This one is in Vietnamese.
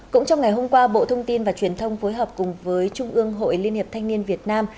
cũng trong ngày hôm qua bộ thông tin và truyền thông phối hợp cùng với trung ương hội liên hiệp thanh niên việt nam